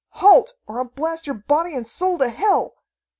"Halt, or I'll blast your body and soul to hell!